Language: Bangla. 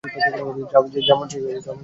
যা মন চায় করো।